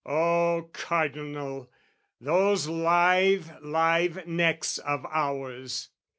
Oh Cardinal, those lithe live necks of ours!